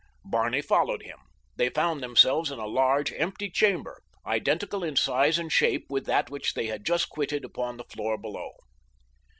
Barney followed him. They found themselves in a large, empty chamber, identical in size and shape with that which they had just quitted upon the floor below.